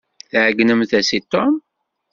Tɛegnemt-as i Tom?